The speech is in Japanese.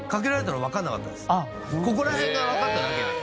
ここら辺がわかっただけで。